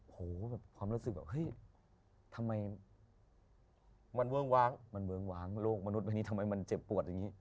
โธเงี่ยความรู้สึกว่าทำไมมันเวิ้งวางโรคมนุษย์ในนี้ทำไมมันเจ็บปวด